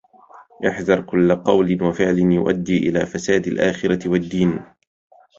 احذر كلّ قول وفعل يؤدي إلى فساد الآخرة والدّين.